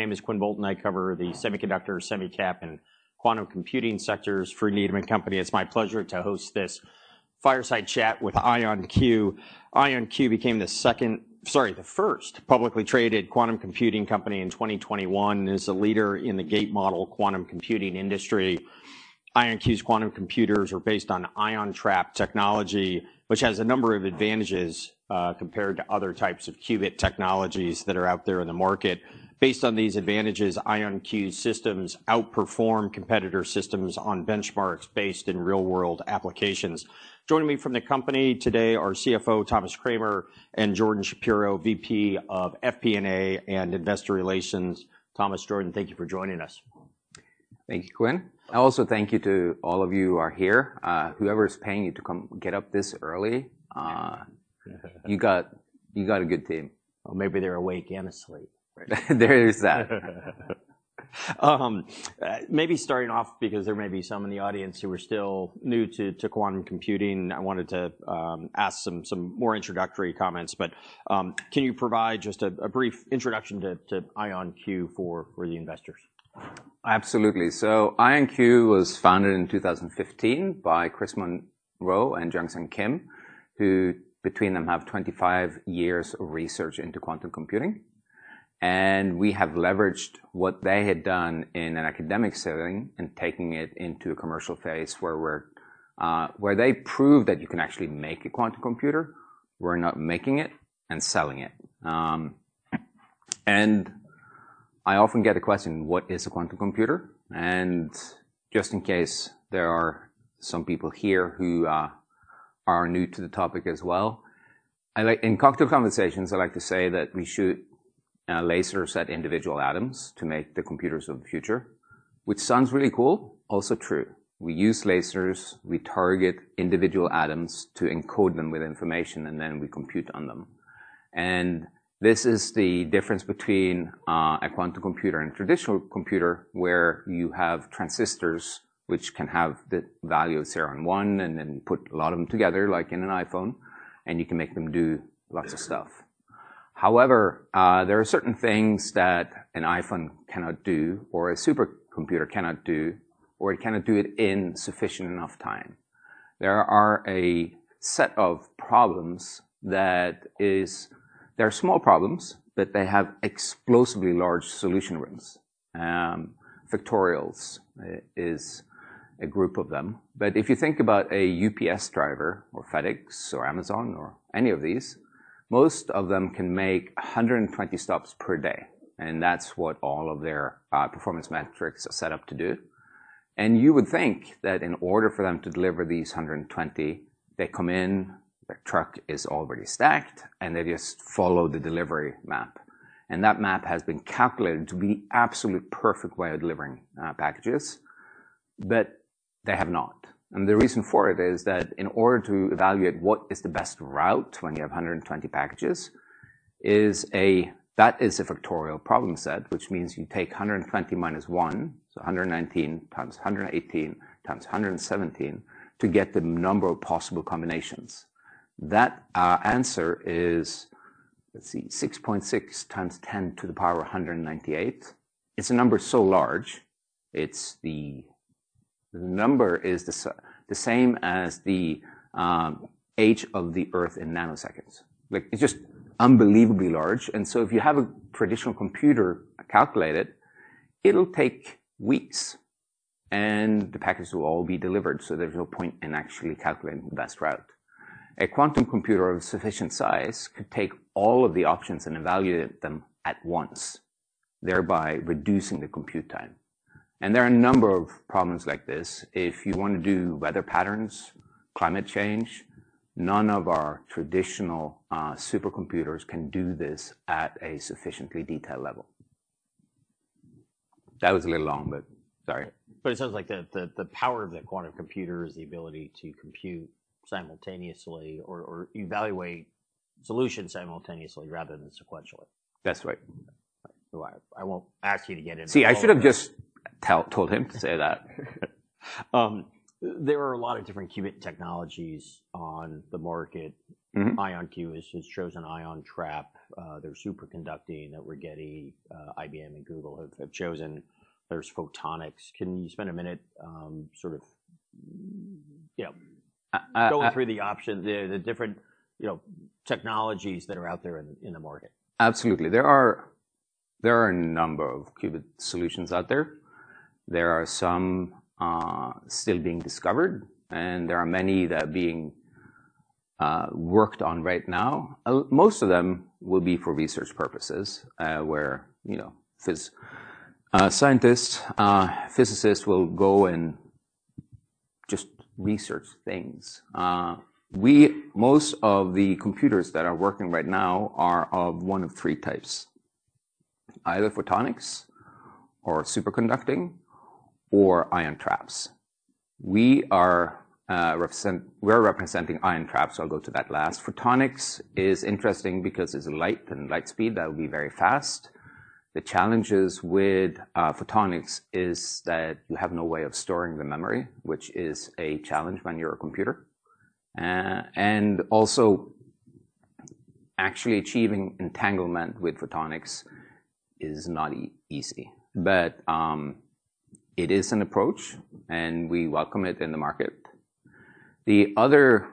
My name is Quinn Bolton. I cover the semiconductor, semi cap, and quantum computing sectors for Needham & Company. It's my pleasure to host this fireside chat with IonQ. IonQ became the first publicly traded quantum computing company in 2021, and is a leader in the gate model quantum computing industry. IonQ's quantum computers are based on ion trap technology, which has a number of advantages, compared to other types of qubit technologies that are out there in the market. Based on these advantages, IonQ systems outperform competitor systems on benchmarks based in real-world applications. Joining me from the company today are CFO Thomas Kramer and Jordan Shapiro, VP of FP&A and Investor Relations. Thomas, Jordan, thank you for joining us. Thank you, Quinn. I also thank you to all of you who are here. Whoever is paying you to come get up this early, you got a good team. Maybe they're awake and asleep. There is that. Maybe starting off, because there may be some in the audience who are still new to quantum computing, I wanted to ask some more introductory comments, but can you provide just a brief introduction to IonQ for the investors? Absolutely. IonQ was founded in 2015 by Chris Monroe and Jungsang Kim, who between them have 25 years of research into quantum computing. We have leveraged what they had done in an academic setting and taking it into a commercial phase where we're where they proved that you can actually make a quantum computer. We're now making it and selling it. I often get a question, what is a quantum computer? Just in case there are some people here who are new to the topic as well, in cocktail conversations, I like to say that we shoot lasers at individual atoms to make the computers of the future, which sounds really cool, also true. We use lasers, we target individual atoms to encode them with information, and then we compute on them. This is the difference between a quantum computer and a traditional computer, where you have transistors which can have the value of zero and one, and then you put a lot of them together, like in an iPhone, and you can make them do lots of stuff. There are certain things that an iPhone cannot do or a supercomputer cannot do, or it cannot do it in sufficient enough time. There are a set of problems They're small problems, but they have explosively large solution rooms. Factorials is a group of them. If you think about a UPS driver or FedEx or Amazon or any of these, most of them can make 120 stops per day, and that's what all of their performance metrics are set up to do. You would think that in order for them to deliver these 120, they come in, their truck is already stacked, and they just follow the delivery map. That map has been calculated to be absolute perfect way of delivering packages, but they have not. The reason for it is that in order to evaluate what is the best route when you have 120 packages is a factorial problem set, which means you take 120 minus 1, so 119 times 118 times 117 to get the number of possible combinations. That answer is, let's see, 6.6 times 10 to the power of 198. It's a number so large, it's the... The number is the same as the age of the Earth in nanoseconds. Like, it's just unbelievably large. If you have a traditional computer calculate it'll take weeks, and the packages will all be delivered, so there's no point in actually calculating the best route. A quantum computer of sufficient size could take all of the options and evaluate them at once, thereby reducing the compute time. There are a number of problems like this. If you wanna do weather patterns, climate change, none of our traditional supercomputers can do this at a sufficiently detailed level. That was a little long, but sorry. It sounds like the power of the quantum computer is the ability to compute simultaneously or evaluate solutions simultaneously rather than sequentially. That's right. I won't ask you to get. I should have just told him to say that. There are a lot of different qubit technologies on the market. Mm-hmm. IonQ has chosen ion trap. There's superconducting that we're getting, IBM and Google have chosen. There's photonics. Can you spend a minute, sort of, you know? Uh, uh- go through the options, the different, you know, technologies that are out there in the market? Absolutely. There are a number of qubit solutions out there. There are some still being discovered, and there are many that are being worked on right now. Most of them will be for research purposes, where, you know, scientists, physicists will go and just research things. Most of the computers that are working right now are of one of three types, either photonics or superconducting or ion traps. We're representing ion traps, so I'll go to that last. Photonics is interesting because it's light and light speed, that would be very fast. The challenges with photonics is that you have no way of storing the memory, which is a challenge when you're a computer. Also actually achieving entanglement with photonics is not easy. It is an approach, and we welcome it in the market. The other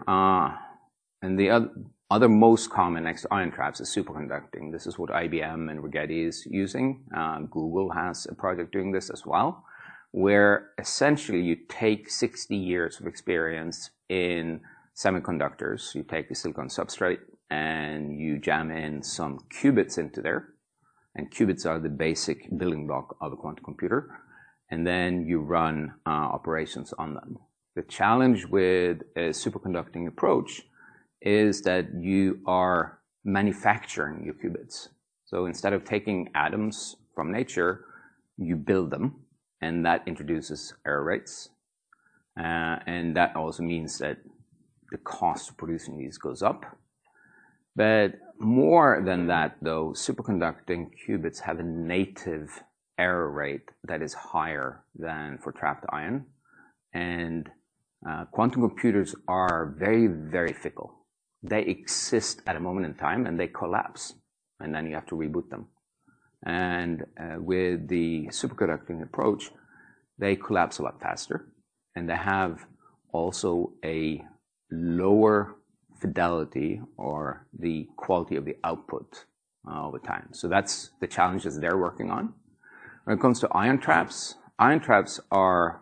most common next to ion traps is superconducting. This is what IBM and Rigetti is using. Google has a project doing this as well, where essentially you take 60 years of experience in semiconductors. You take a silicon substrate, and you jam in some qubits into there, and qubits are the basic building block of a quantum computer, and then you run operations on them. The challenge with a superconducting approach is that you are manufacturing your qubits. Instead of taking atoms from nature, you build them, and that introduces error rates. And that also means that the cost of producing these goes up. More than that, though, superconducting qubits have a native error rate that is higher than for trapped ion. Quantum computers are very, very fickle. They exist at a moment in time, and they collapse, and then you have to reboot them. With the superconducting approach, they collapse a lot faster, and they have also a lower fidelity or the quality of the output over time. That's the challenges they're working on. When it comes to ion traps, ion traps are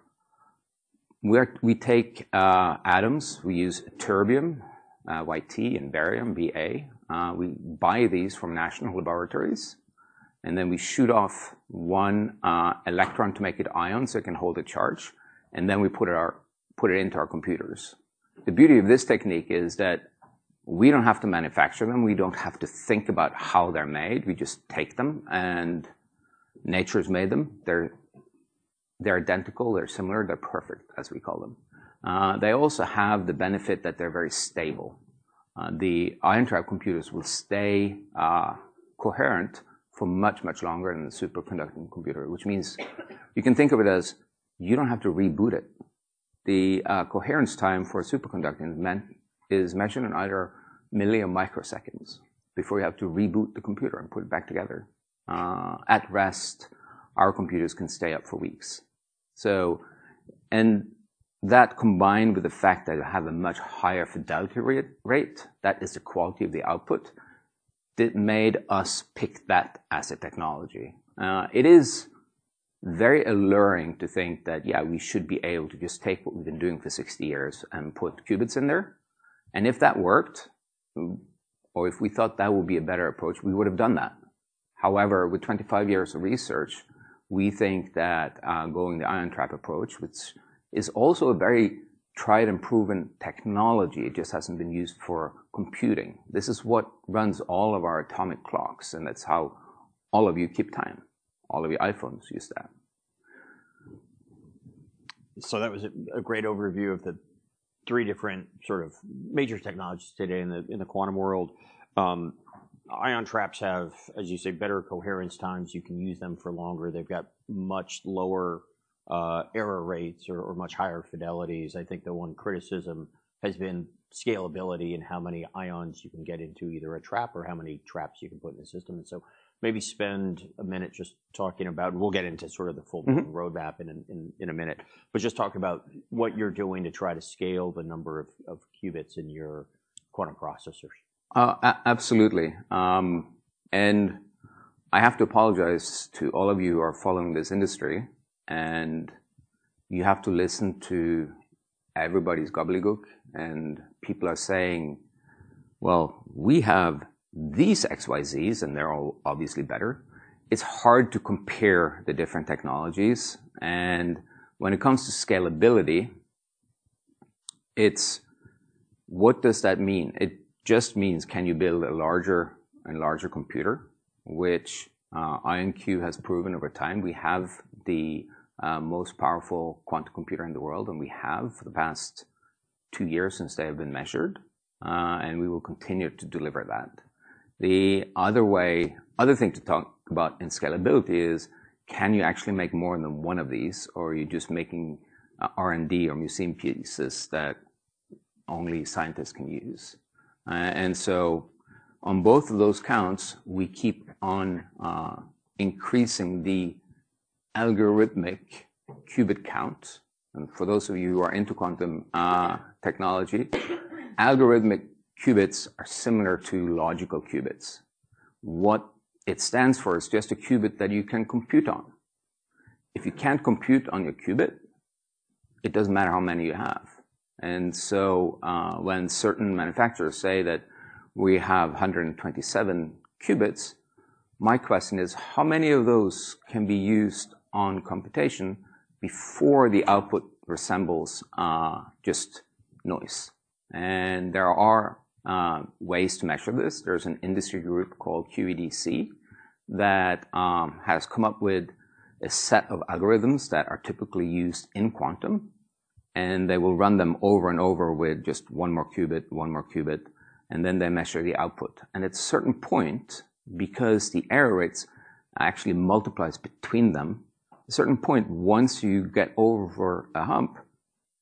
where we take atoms. We use ytterbium, YT and barium, BA. We buy these from national laboratories, and then we shoot off one electron to make it ion, so it can hold a charge, and then we put it into our computers. The beauty of this technique is that we don't have to manufacture them. We don't have to think about how they're made. We just take them, and nature's made them. They're identical. They're similar. They're perfect, as we call them. They also have the benefit that they're very stable. The ion trap computers will stay coherent for much, much longer than the superconducting computer, which means you can think of it as you don't have to reboot it. The coherence time for a superconducting is measured in either milli or microseconds before you have to reboot the computer and put it back together. At rest, our computers can stay up for weeks. That combined with the fact that it have a much higher fidelity rate, that is the quality of the output, it made us pick that as a technology. It is very alluring to think that, yeah, we should be able to just take what we've been doing for 60 years and put qubits in there. If that worked, or if we thought that would be a better approach, we would have done that. However, with 25 years of research, we think that, going the ion trap approach, which is also a very tried and proven technology, it just hasn't been used for computing. This is what runs all of our atomic clocks, and it's how all of you keep time. All of your iPhones use that. That was a great overview of the three different sort of major technologies today in the quantum world. Ion traps have, as you say, better coherence times. You can use them for longer. They've got much lower error rates or much higher fidelities. I think the one criticism has been scalability and how many ions you can get into either a trap or how many traps you can put in the system. Maybe spend a minute. We'll get into sort of the full roadmap in a minute, but just talk about what you're doing to try to scale the number of qubits in your quantum processors. Absolutely. I have to apologize to all of you who are following this industry, and you have to listen to everybody's gobbledygook, and people are saying, "Well, we have these X, Y, Zs, and they're all obviously better." It's hard to compare the different technologies. When it comes to scalability, it's what does that mean? It just means can you build a larger and larger computer, which IonQ has proven over time. We have the most powerful quantum computer in the world, and we have for the past two years since they have been measured, and we will continue to deliver that. The other thing to talk about in scalability is can you actually make more than one of these, or are you just making R&D or museum pieces that only scientists can use? On both of those counts, we keep on increasing the algorithmic qubits count. For those of you who are into quantum technology, algorithmic qubits are similar to logical qubits. What it stands for is just a qubit that you can compute on. If you can't compute on your qubit, it doesn't matter how many you have. When certain manufacturers say that we have 127 qubits, my question is, how many of those can be used on computation before the output resembles just noise? There are ways to measure this. There's an industry group called QED-C that has come up with a set of algorithms that are typically used in quantum. They will run them over and over with just one more qubit, one more qubit, and then they measure the output. At a certain point, because the error rates actually multiplies between them, a certain point, once you get over a hump,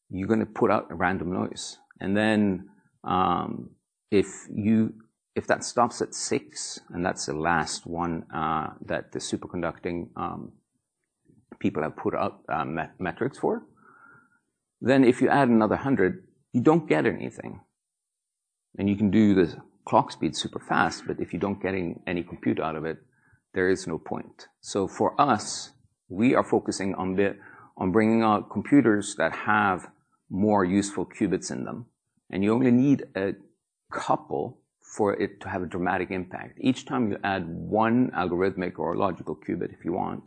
you're gonna put out a random noise. Then, if that stops at six, and that's the last one, that the superconducting people have put up metrics for, then if you add another 100, you don't get anything. You can do the clock speed super fast, but if you don't get any compute out of it, there is no point. For us, we are focusing on bringing out computers that have more useful qubits in them, and you only need a couple for it to have a dramatic impact. Each time you add one algorithmic or logical qubit, if you want,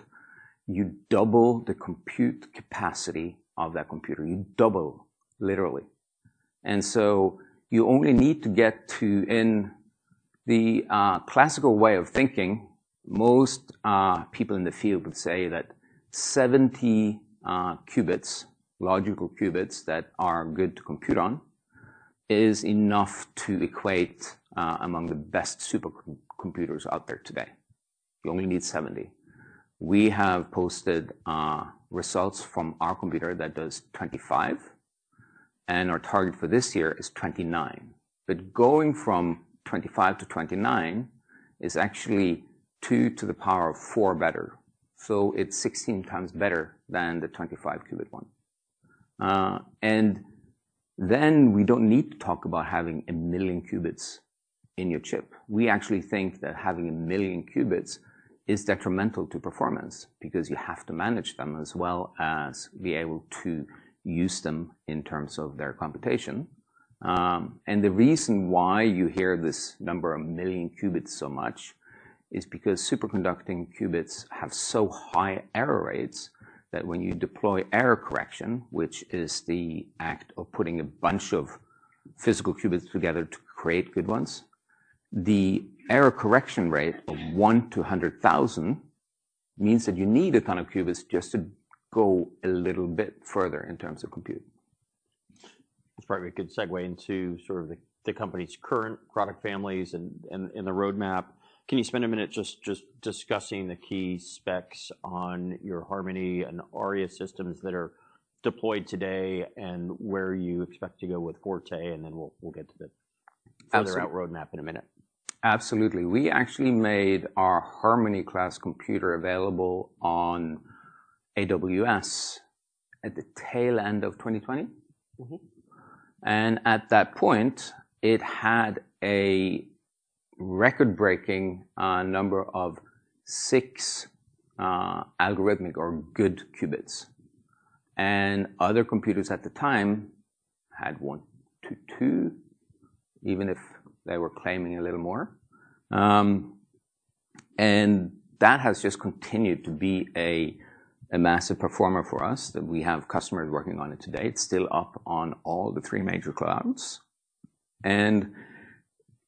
you double the compute capacity of that computer. You double, literally. You only need to get to. In the classical way of thinking, most people in the field would say that 70 qubits, logical qubits that are good to compute on, is enough to equate among the best supercomputers out there today. You only need 70. We have posted results from our computer that does 25, and our target for this year is 29. Going from 25 to 29 is actually two to the power of four better, so it's 16 times better than the 25 qubit one. We don't need to talk about having 1 million qubits in your chip. We actually think that having 1 million qubits is detrimental to performance because you have to manage them as well as be able to use them in terms of their computation. The reason why you hear this number, 1 million qubits, so much is because superconducting qubits have so high error rates that when you deploy error correction, which is the act of putting a bunch of physical qubits together to create good ones, the error correction rate of 1-100,000 means that you need a ton of qubits just to go a little bit further in terms of computing. That's probably a good segue into sort of the company's current product families and the roadmap. Can you spend a minute just discussing the key specs on your Harmony and Aria systems that are deployed today and where you expect to go with Forte? We'll get to. Absolutely... further out roadmap in a minute. Absolutely. We actually made our Harmony class computer available on AWS at the tail end of 2020. Mm-hmm. At that point, it had a record-breaking number of six algorithmic or good qubits. Other computers at the time had one-two, even if they were claiming a little more. That has just continued to be a massive performer for us, that we have customers working on it today. It's still up on all the three major clouds.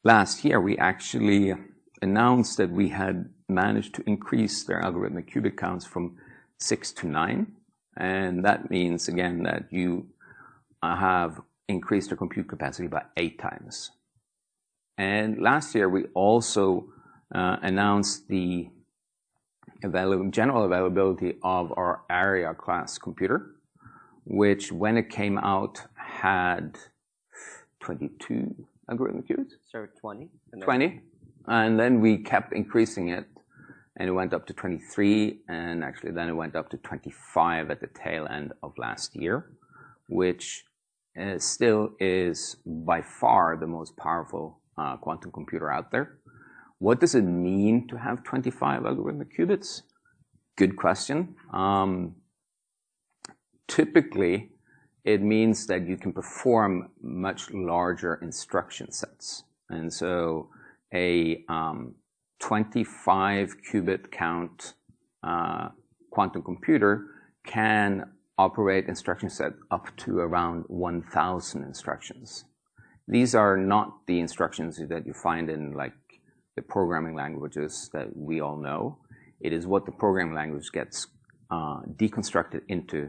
Last year, we actually announced that we had managed to increase their algorithmic qubit counts from six-nine, and that means, again, that you have increased your compute capacity by eight times. Last year, we also announced the general availability of our Aria class computer, which when it came out, had 22 algorithmic qubits. Sorry, $20. 20. We kept increasing it, and it went up to 23, and actually then it went up to 25 at the tail end of last year, which still is by far the most powerful quantum computer out there. What does it mean to have 25 algorithmic qubits? Good question. Typically, it means that you can perform much larger instruction sets. A 25 qubit count quantum computer can operate instruction set up to around 1,000 instructions. These are not the instructions that you find in like the programming languages that we all know. It is what the programming language gets deconstructed into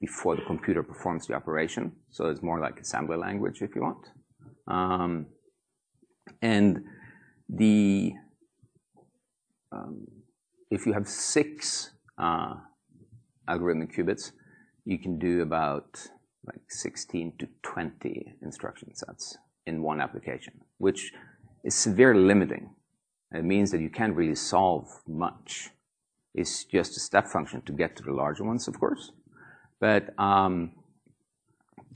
before the computer performs the operation, so it's more like assembly language, if you want. The, if you have s algorithmic qubits, you can do about like 16-20 instruction sets in one application, which is severely limiting. It means that you can't really solve much. It's just a step function to get to the larger ones, of course.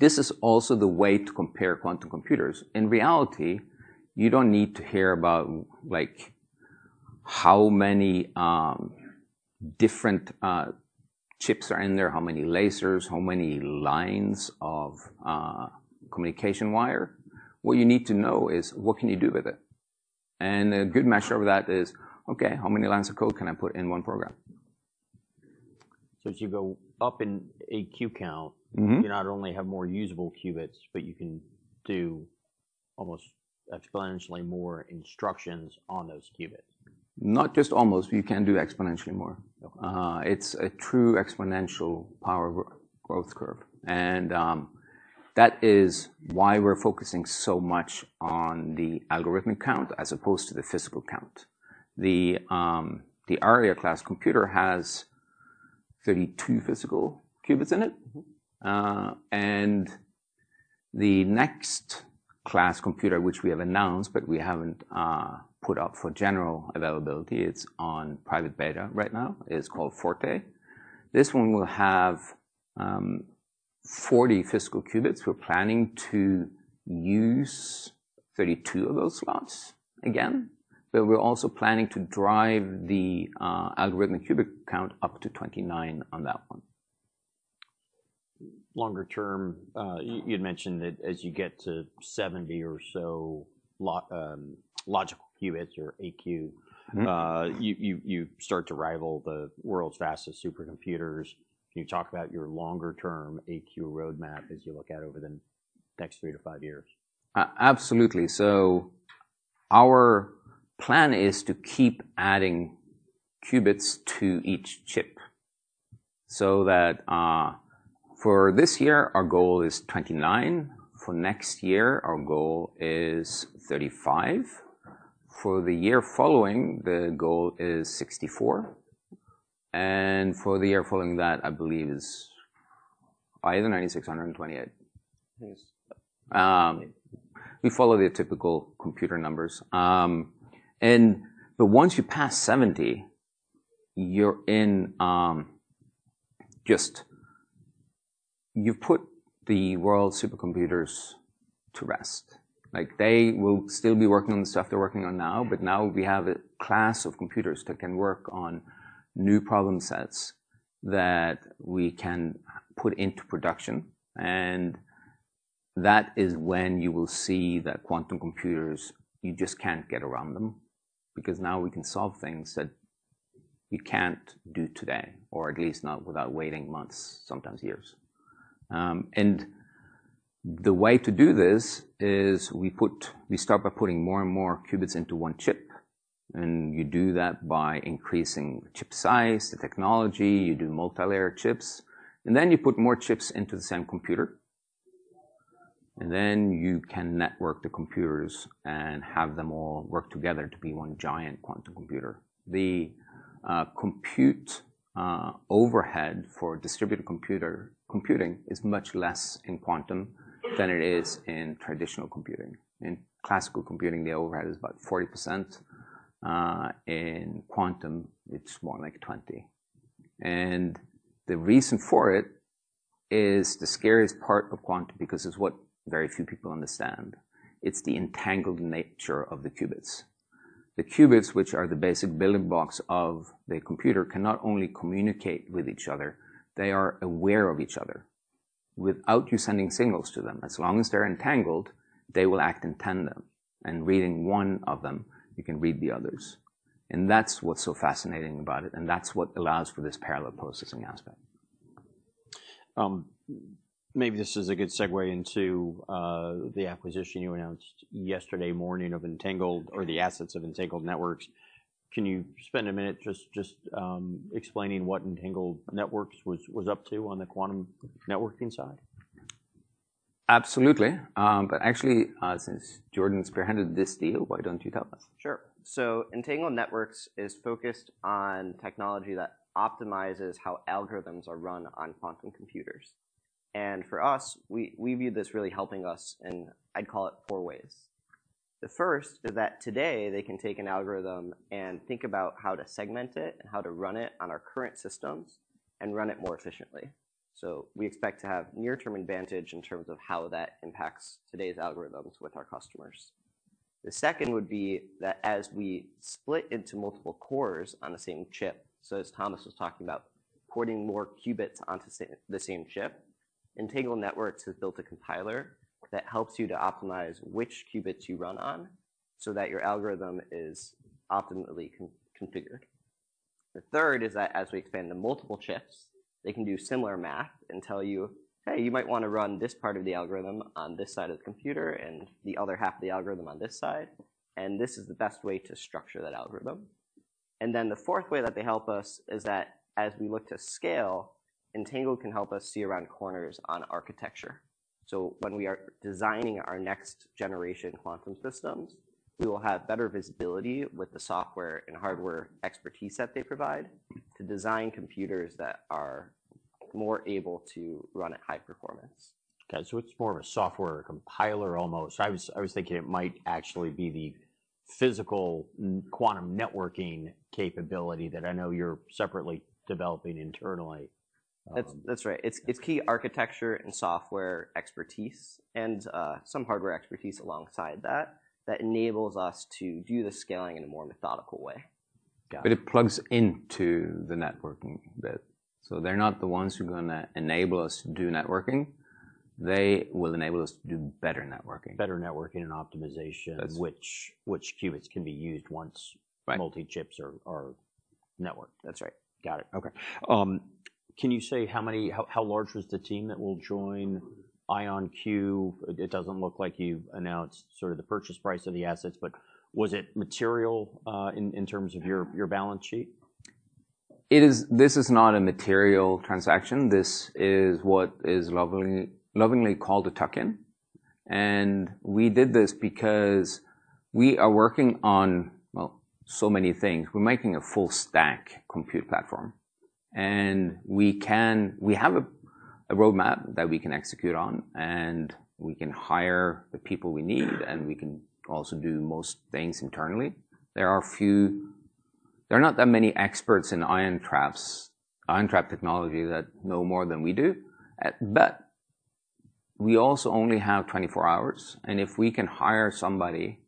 This is also the way to compare quantum computers. In reality, you don't need to hear about like how many different chips are in there, how many lasers, how many lines of communication wire. What you need to know is what can you do with it? A good measure of that is, okay, how many lines of code can I put in one program? As you go up in AQ count. Mm-hmm... you not only have more usable qubits, but you can do almost exponentially more instructions on those qubits. Not just almost, we can do exponentially more. It's a true exponential power growth curve. That is why we're focusing so much on the algorithmic count as opposed to the physical count. The Aria class computer has 32 physical qubits in it. The next class computer, which we have announced but we haven't put up for general availability, it's on private beta right now, is called Forte. This one will have 40 physical qubits. We're planning to use 32 of those slots again. We're also planning to drive the algorithmic qubit count up to 29 on that one. Longer term, you'd mentioned that as you get to 70 or so logical qubits or AQ. Mm-hmm... you start to rival the world's fastest supercomputers. Can you talk about your longer term AQ roadmap as you look out over the next three-five years? Absolutely. Our plan is to keep adding qubits to each chip so that, for this year, our goal is 29. For next year, our goal is 35. For the year following, the goal is 64. For the year following that, I believe is either 96 or 128. Yes. We follow the typical computer numbers. But once you pass 70, you're in. You put the world supercomputers to rest. They will still be working on the stuff they're working on now, but now we have a class of computers that can work on new problem sets that we can put into production, and that is when you will see that quantum computers, you just can't get around them because now we can solve things that you can't do today, or at least not without waiting months, sometimes years. The way to do this is we start by putting more and more qubits into 1 chip, and you do that by increasing chip size, the technology, you do multilayer chips, and then you put more chips into the same computer. You can network the computers and have them all work together to be one giant quantum computer. The compute overhead for distributed computing is much less in quantum than it is in traditional computing. In classical computing, the overhead is about 40%. In quantum, it's more like 20%. The reason for it is the scariest part of quantum, because it's what very few people understand. It's the entangled nature of the qubits. The qubits, which are the basic building blocks of the computer, can not only communicate with each other, they are aware of each other. Without you sending signals to them, as long as they're entangled, they will act in tandem, and reading one of them, you can read the others. That's what's so fascinating about it, and that's what allows for this parallel processing aspect. Maybe this is a good segue into the acquisition you announced yesterday morning of Entangled or the assets of Entangled Networks. Can you spend a minute just explaining what Entangled Networks was up to on the quantum networking side? Absolutely. Actually, since Jordan spearheaded this deal, why don't you tell us? Sure. Entangled Networks is focused on technology that optimizes how algorithms are run on quantum computers. For us, we view this really helping us in, I'd call it four ways. The first is that today they can take an algorithm and think about how to segment it and how to run it on our current systems and run it more efficiently. We expect to have near-term advantage in terms of how that impacts today's algorithms with our customers. The second would be that as we split into multiple cores on the same chip, as Thomas was talking about, putting more qubits onto the same chip, Entangled Networks has built a compiler that helps you to optimize which qubits you run on so that your algorithm is optimally configured. The third is that as we expand to multiple chips, they can do similar math and tell you, "Hey, you might wanna run this part of the algorithm on this side of the computer and the other half of the algorithm on this side, and this is the best way to structure that algorithm." The fourth way that they help us is that as we look to scale, Entangled can help us see around corners on architecture. When we are designing our next generation quantum systems, we will have better visibility with the software and hardware expertise that they provide to design computers that are more able to run at high performance. It's more of a software compiler almost. I was thinking it might actually be the physical quantum networking capability that I know you're separately developing internally. That's right. It's key architecture and software expertise and some hardware expertise alongside that enables us to do the scaling in a more methodical way. Got it. It plugs into the networking bit. They're not the ones who are gonna enable us to do networking. They will enable us to do better networking. Better networking and optimization- That's-... which qubits can be used. Right... multi chips are Network. That's right. Got it. Okay. Can you say how large was the team that will join IonQ? It doesn't look like you've announced sort of the purchase price of the assets, but was it material in terms of your balance sheet? This is not a material transaction. This is what is lovely, lovingly called a tuck-in. We did this because we are working on, well, so many things. We're making a full stack compute platform, and we have a roadmap that we can execute on, and we can hire the people we need, and we can also do most things internally. There are not that many experts in ion traps, ion trap technology that know more than we do. We also only have 24 hours, and if we can hire somebody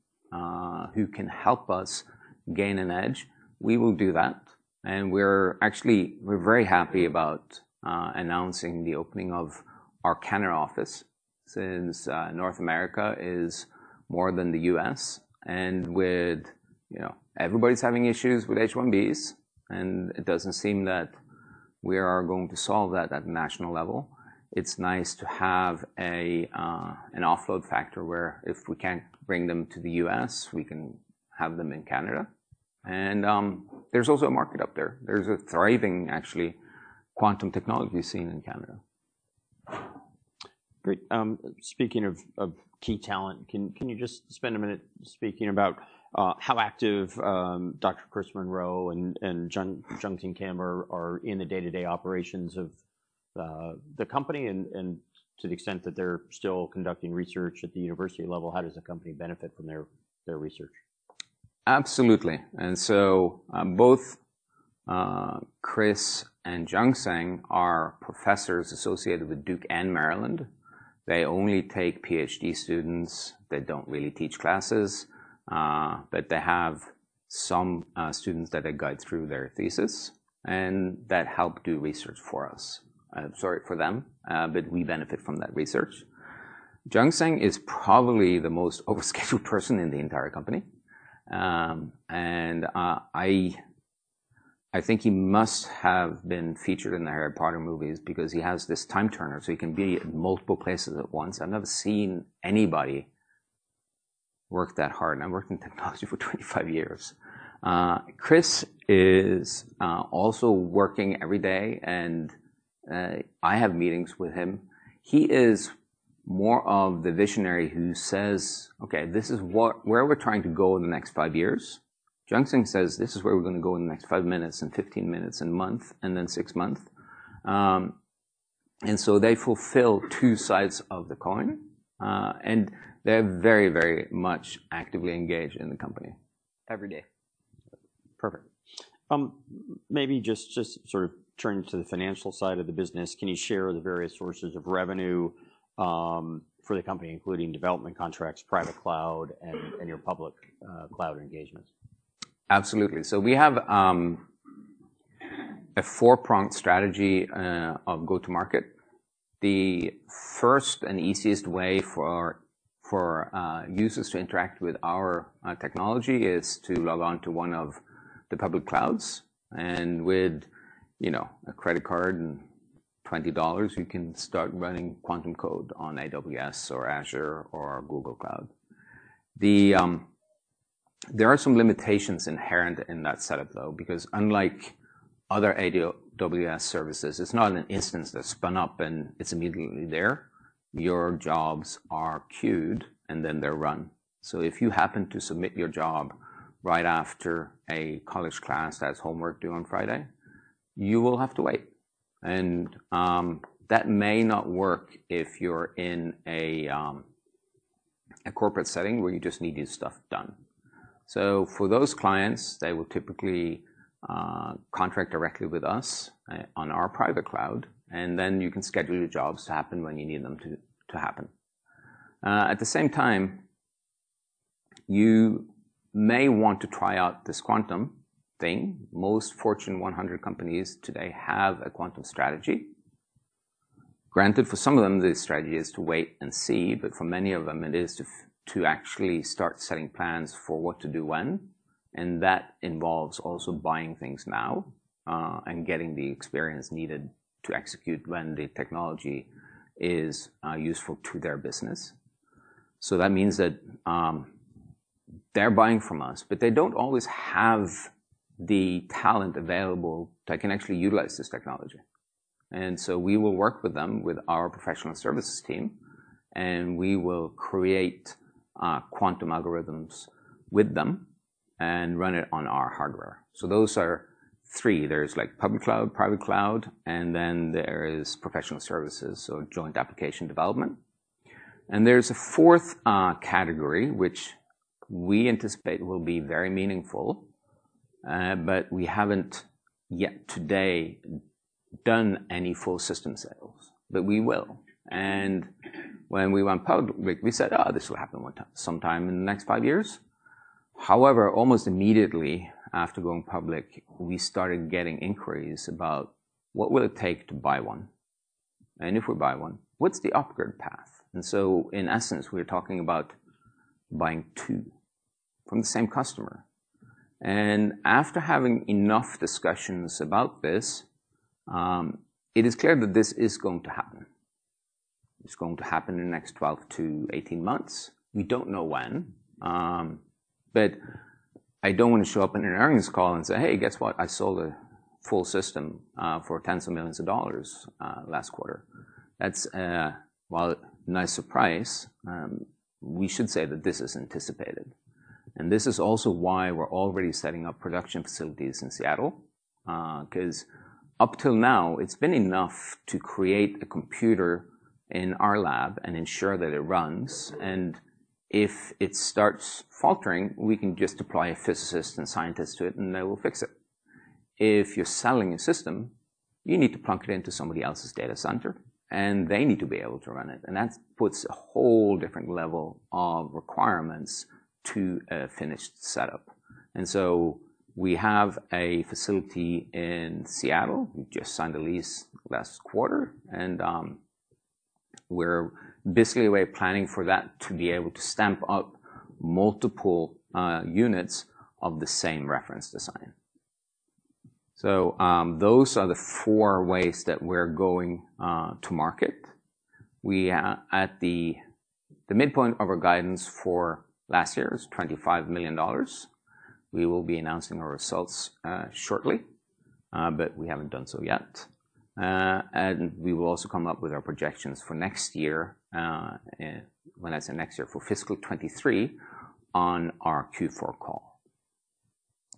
who can help us gain an edge, we will do that. We're actually, we're very happy about announcing the opening of our Canada office since North America is more than the U.S. and with, you know, everybody's having issues with H-1B, and it doesn't seem that we are going to solve that at national level. It's nice to have an offload factor where if we can't bring them to the U.S., we can have them in Canada. There's also a market up there. There's a thriving, actually, quantum technology scene in Canada. Great. speaking of key talent, can you just spend a minute speaking about how active Dr. Chris Monroe and Jungsang Kim are in the day-to-day operations of the company and to the extent that they're still conducting research at the university level, how does the company benefit from their research? Absolutely. Both Chris and Jungsang are professors associated with Duke and Maryland. They only take PhD students. They don't really teach classes, but they have some students that they guide through their thesis and that help do research for us. Sorry for them, but we benefit from that research. Jungsang is probably the most overscheduled person in the entire company. I think he must have been featured in the Harry Potter movies because he has this time turner, so he can be in multiple places at once. I've never seen anybody work that hard, and I've worked in technology for 25 years. Chris is also working every day and I have meetings with him. He is more of the visionary who says, "Okay, this is where we're trying to go in the next five years." Jung Sang says, "This is where we're gonna go in the next five minutes and 15 minutes and month, and then six months." They fulfill two sides of the coin, and they're very, very much actively engaged in the company every day. Perfect. maybe just sort of turning to the financial side of the business, can you share the various sources of revenue, for the company, including development contracts, private cloud, and your public, cloud engagements? Absolutely. We have a four-pronged strategy of go-to-market. The first and easiest way for users to interact with our technology is to log on to one of the public clouds. With, you know, a credit card and $20, you can start running quantum code on AWS or Azure or Google Cloud. There are some limitations inherent in that setup, though, because unlike other AWS services, it's not an instance that's spun up and it's immediately there. Your jobs are queued, and then they're run. If you happen to submit your job right after a college class that has homework due on Friday, you will have to wait. That may not work if you're in a corporate setting where you just need your stuff done. For those clients, they will typically contract directly with us on our private cloud, and then you can schedule your jobs to happen when you need them to happen. At the same time, you may want to try out this quantum thing. Most Fortune 100 companies today have a quantum strategy. Granted, for some of them, the strategy is to wait and see, but for many of them, it is to actually start setting plans for what to do when, and that involves also buying things now, and getting the experience needed to execute when the technology is useful to their business. That means that they're buying from us, but they don't always have the talent available that can actually utilize this technology. We will work with them with our professional services team, and we will create quantum algorithms with them and run it on our hardware. Those are three. There's like public cloud, private cloud, and then there is professional services, so joint application development. There's a 4th category, which we anticipate will be very meaningful, but we haven't yet today done any full system sales, but we will. When we went public, we said, "Oh, this will happen sometime in the next five years." However, almost immediately after going public, we started getting inquiries about what will it take to buy one. If we buy one, what's the upgrade path? In essence, we're talking about buying two from the same customer. After having enough discussions about this, it is clear that this is going to happen. It's going to happen in the next 12 to 18 months. We don't know when, but I don't want to show up in an earnings call and say, "Hey, guess what? I sold a full system for tens of millions of dollars last quarter." That's while a nice surprise, we should say that this is anticipated. This is also why we're already setting up production facilities in Seattle. 'Cause up till now it's been enough to create a computer in our lab and ensure that it runs, and if it starts faltering, we can just apply a physicist and scientist to it, and they will fix it. If you're selling a system, you need to plunk it into somebody else's data center, and they need to be able to run it, and that puts a whole different level of requirements to a finished setup. We have a facility in Seattle. We just signed a lease last quarter and, basically, we're planning for that to be able to stamp up multiple units of the same reference design. Those are the four ways that we're going to market. We are at the midpoint of our guidance for last year's $25 million. We will be announcing our results shortly, but we haven't done so yet. We will also come up with our projections for next year, when I say next year, for fiscal 2023 on our Q4 call.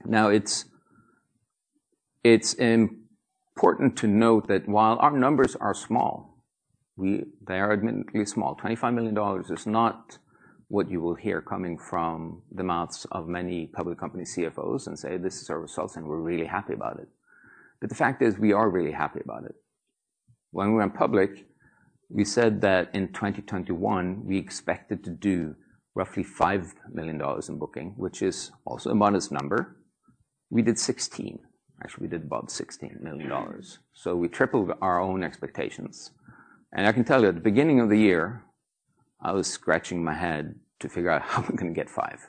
Now it's important to note that while our numbers are small, they are admittedly small. $25 million is not what you will hear coming from the mouths of many public company CFOs and say, "This is our results, and we're really happy about it." The fact is we are really happy about it. When we went public, we said that in 2021 we expected to do roughly $5 million in booking, which is also a modest number. We did 16. Actually, we did above $16 million. We tripled our own expectations. I can tell you, at the beginning of the year, I was scratching my head to figure out how we can get 5.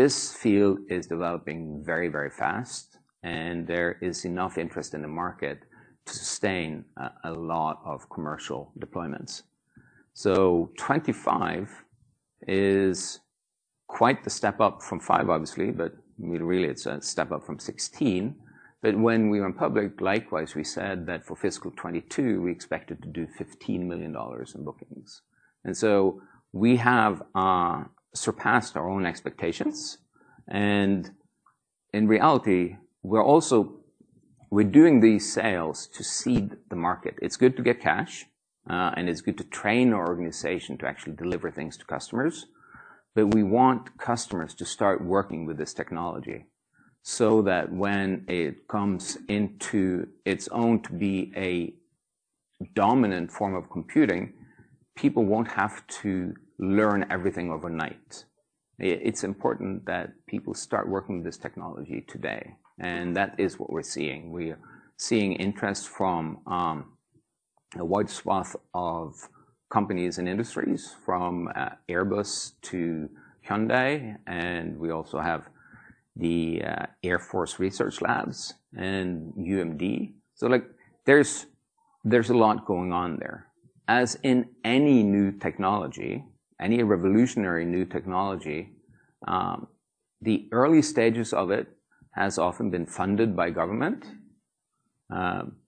This field is developing very, very fast, and there is enough interest in the market to sustain a lot of commercial deployments. 25 is quite the step up from five, obviously, but really it's a step up from 16. When we went public, likewise, we said that for fiscal 2022 we expected to do $15 million in bookings. we have surpassed our own expectations. In reality, we're also doing these sales to seed the market. It's good to get cash, and it's good to train our organization to actually deliver things to customers. We want customers to start working with this technology so that when it comes into its own to be a dominant form of computing, people won't have to learn everything overnight. It's important that people start working with this technology today, and that is what we're seeing. We are seeing interest from a wide swath of companies and industries, from Airbus to Hyundai, and we also have the Air Force Research Labs and UMD. Like, there's a lot going on there. As in any new technology, any revolutionary new technology, the early stages of it has often been funded by government.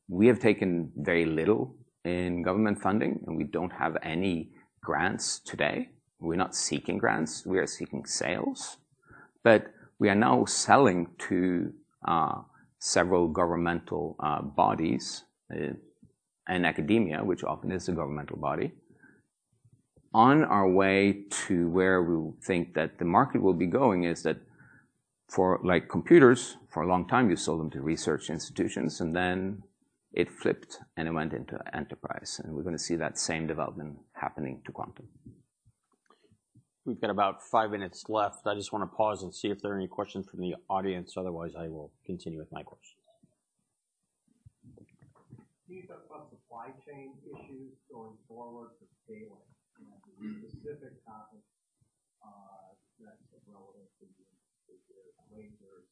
We have taken very little in government funding, and we don't have any grants today. We're not seeking grants. We are seeking sales. We are now selling to several governmental bodies and academia, which often is a governmental body. On our way to where we think that the market will be going is that for, like, computers, for a long time, you sold them to research institutions, and then it flipped, and it went into enterprise. We're gonna see that same development happening to quantum. We've got about five minutes left. I just wanna pause and see if there are any questions from the audience. Otherwise, I will continue with my questions. Can you talk about supply chain issues going forward for scaling? You know, the specific topics, that's relevant to you is lasers,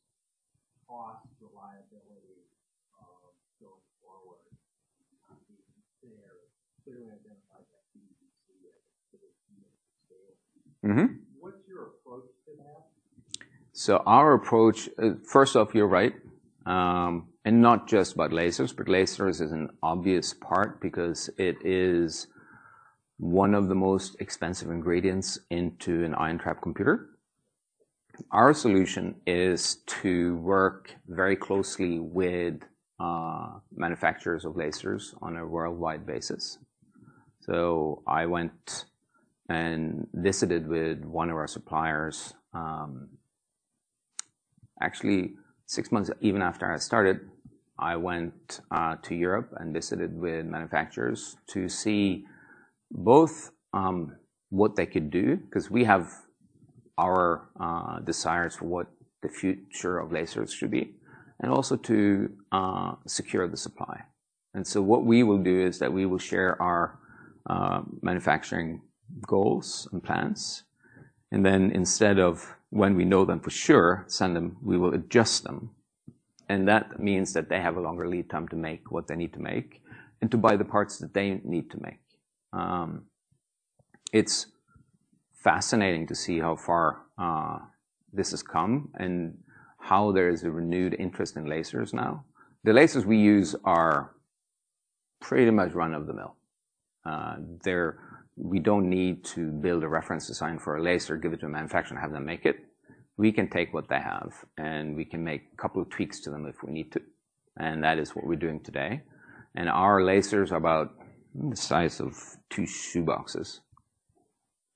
cost, reliability, going forward. There are clearly identified FTQC as a critical component to scaling. Mm-hmm. What's your approach to that? Our approach-- First off, you're right. And not just about lasers, but lasers is an obvious part because it is one of the most expensive ingredients into an ion trap computer. Our solution is to work very closely with manufacturers of lasers on a worldwide basis. I went and visited with one of our suppliers, actually 6 months even after I started. I went to Europe and visited with manufacturers to see both, what they could do, 'cause Our desires for what the future of lasers should be, and also to secure the supply. What we will do is that we will share our manufacturing goals and plans, and then instead of when we know them for sure, send them, we will adjust them. That means that they have a longer lead time to make what they need to make and to buy the parts that they need to make. It's fascinating to see how far this has come and how there is a renewed interest in lasers now. The lasers we use are pretty much run-of-the-mill. We don't need to build a reference design for a laser, give it to a manufacturer, and have them make it. We can take what they have, and we can make a couple of tweaks to them if we need to, and that is what we're doing today. Our lasers are about the size of two shoeboxes.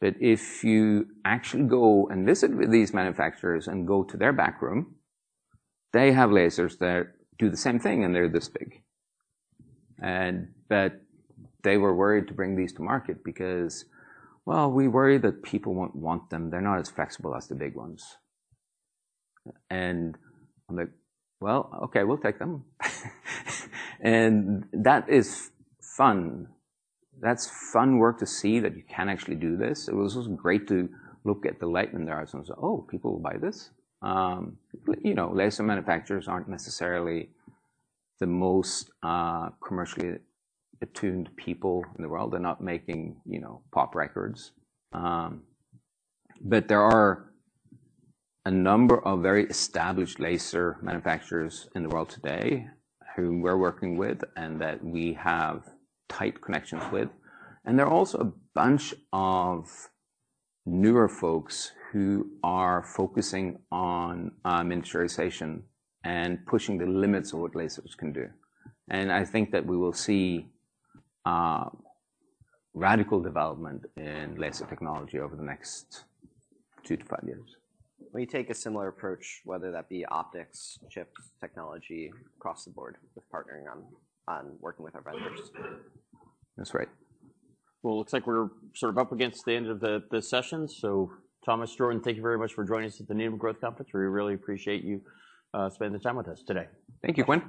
If you actually go and visit with these manufacturers and go to their back room, they have lasers that do the same thing, and they're this big. That they were worried to bring these to market because, well, we worry that people won't want them. They're not as flexible as the big ones. I'm like, "Well, okay, we'll take them." That is fun. That's fun work to see that you can actually do this. It was also great to look at the light in their eyes and say, "Oh, people will buy this." You know, laser manufacturers aren't necessarily the most commercially attuned people in the world. They're not making, you know, pop records. There are a number of very established laser manufacturers in the world today whom we're working with and that we have tight connections with. There are also a bunch of newer folks who are focusing on miniaturization and pushing the limits of what lasers can do. I think that we will see radical development in laser technology over the next two-five years. We take a similar approach, whether that be optics, chips, technology, across the board with partnering on working with our vendors. That's right. Well, looks like we're sort of up against the end of the session. Thomas, Jordan, thank you very much for joining us at the Needham Growth Conference. We really appreciate you spending the time with us today. Thank you, Quinn.